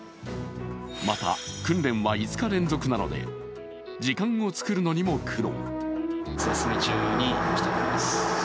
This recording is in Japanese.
また、訓練は５日連続なので時間を作るのにも苦労。